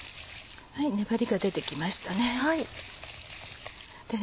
粘りが出てきましたね。